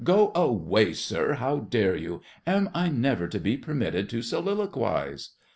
Go away, sir! How dare you? Am I never to be permitted to soliloquize?